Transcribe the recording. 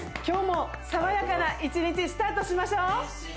今日も爽やかな１日スタートしましょう！